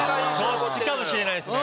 そっちかもしれないですね。